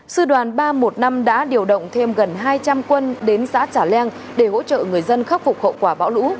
sư đoàn ba trăm một mươi năm đã điều động thêm gần hai trăm linh quân đến xã trà leng để hỗ trợ người dân khắc phục hậu quả bão lũ